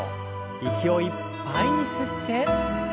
息をいっぱいに吸って。